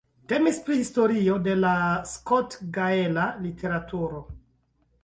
Temis pri historio de la skotgaela literaturo.